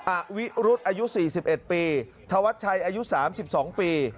อวิรุธอายุ๔๑ปีธวัชชัยอายุ๓๒ปี